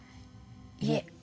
いえ。